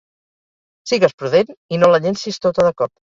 Sigues prudent i no la llencis tota de cop.